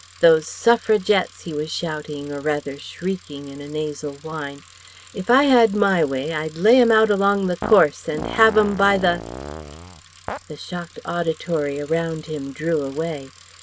"Those Suffragettes!" he was shouting or rather shrieking in a nasal whine, "if I had my way, I'd lay 'em out along the course and have 'em by . The 's!" The shocked auditory around him drew away.